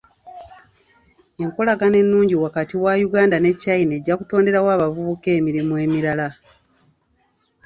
Enkolagana ennungi wakati wa Uganda ne China ejja kutonderawo abavubuka emirimu emirala.